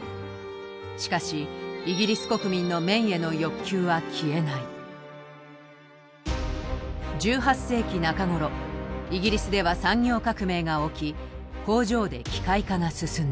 しかしイギリス国民の１８世紀中頃イギリスでは産業革命が起き工場で機械化が進んだ。